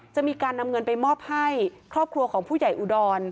จะมีการนำเงินไปมอบให้ครอบครัวของผู้ใหญ่อุดร